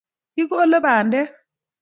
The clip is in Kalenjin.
kikole pandek